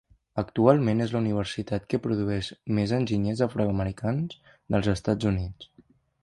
Actualment és la universitat que produeix més enginyers afroamericans dels Estats Units.